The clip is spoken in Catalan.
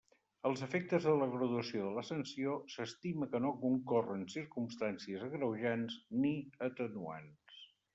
Als efectes de la graduació de la sanció, s'estima que no concorren circumstàncies agreujants ni atenuants.